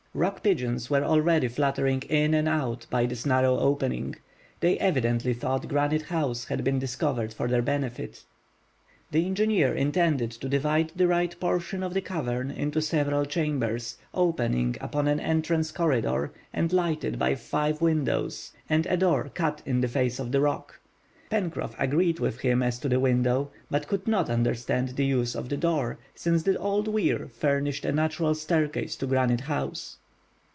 Rock pigeons were already fluttering in and out by this narrow opening. They evidently thought Granite House had been discovered for their benefit. The engineer intended to divide the right portion of the cavern into several chambers opening upon an entrance corridor, and lighted by five windows and a door cut in the face of the rock. Pencroff agreed with him as to the window, but could not understand the use of the door, since the old weir furnished a natural staircase to Granite House.